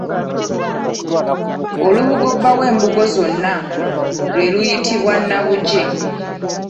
Olubugo bba w'embugo zonna lwe luyitibwa nabugi